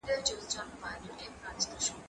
هغه وويل چي سپينکۍ مينځل ضروري دي؟